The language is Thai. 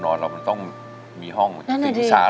ทั้งในเรื่องของการทำงานเคยทำนานแล้วเกิดปัญหาน้อย